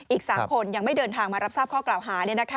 อีก๓คนยังไม่เดินทางมารับทราบข้อกล่าวหา